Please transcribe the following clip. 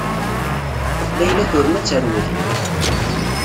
Layla turem ad terwel.